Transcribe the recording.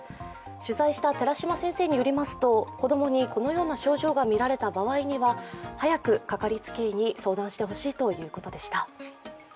取材した寺嶋先生によりますと、子供にこのような症状がみられた場合には早くかかりつけ医に相談してほしいということでした。